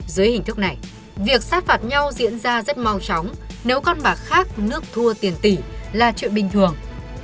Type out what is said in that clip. dưới hình thức này việc sát phạt nhau diễn ra rất mau chóng nếu con bạc khác nước thua tiền tỷ là chuyện bình thường